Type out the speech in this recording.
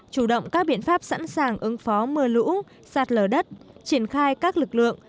chủ động các biện pháp sẵn sàng ứng phó mưa lũ sạt lở đất triển khai các lực lượng